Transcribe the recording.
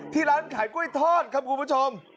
ที่ร้านขายกล้วยทอดขอบคุณผู้ชม